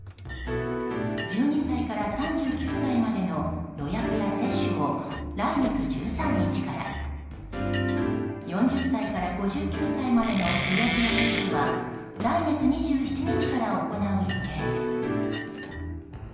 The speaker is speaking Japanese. １２歳から３９歳までの予約や接種を来月１３日から４０歳から５９歳までの予約や接種は来月２７日から行う予定です。